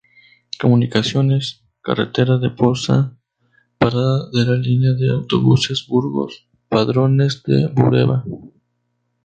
Comunicaciones: Carretera de Poza, parada de la línea de autobuses Burgos–Padrones de Bureba.